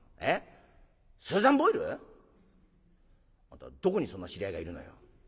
あんたどこにそんな知り合いがいるのよ！」。